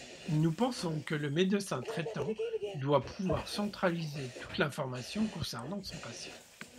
Nous pensons que le médecin traitant doit pouvoir centraliser toute l’information concernant son patient.